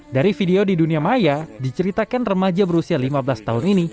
dari video di dunia maya diceritakan remaja berusia lima belas tahun ini